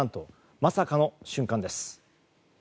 まさかの瞬間です。